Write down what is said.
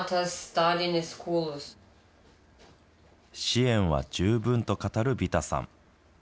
支援は十分と語るビタさん。